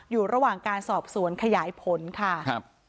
อยู่ระหว่างการสอบสวนขยายผลค่ะครับ